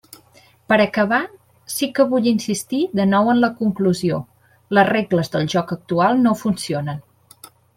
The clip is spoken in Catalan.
Per acabar, sí que vull insistir de nou en la conclusió: les regles del joc actual no funcionen.